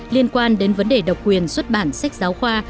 liên quan đến vấn đề độc quyền xuất bản sách giáo khoa